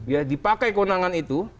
ya dipakai kewenangan itu